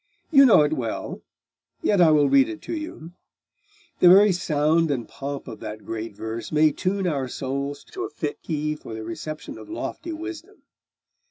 You know it well: yet I will read it to you; the very sound and pomp of that great verse may tune our souls to a fit key for the reception of lofty wisdom.